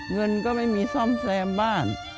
เงินก็ไม่มีซ่อมแซมบ้าน